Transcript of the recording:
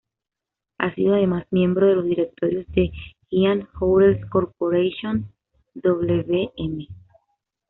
Ha sido además miembro de los directorios de Hyatt Hotels Corporation, Wm.